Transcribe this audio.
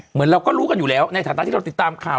เหมือนเราก็รู้กันอยู่แล้วในฐานะที่เราติดตามข่าว